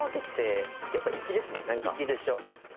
粋でしょ。